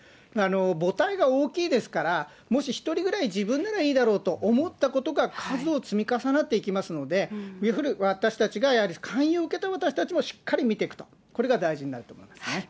母体が大きいですから、もし１人ぐらい、自分ならいいだろうと思ったことが数を積み重なっていきますので、やはり勧誘を受けた私たちもしっかり見ていくと、これが大事になると思います。